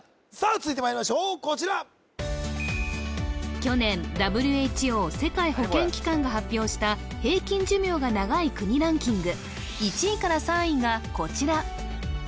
続いてまいりましょうこちら去年ＷＨＯ世界保健機関が発表した平均寿命が長い国ランキング１位から３位がこちら